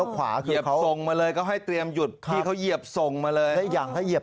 เย็บส่งมาเลยก็ให้เตรียมหยุดที่เขาเย็บส่งมาเลย